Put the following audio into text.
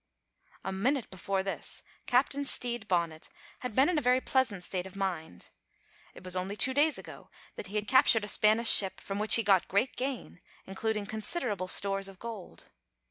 A minute before this Captain Stede Bonnet had been in a very pleasant state of mind. It was only two days ago that he had captured a Spanish ship, from which he got great gain, including considerable stores of gold.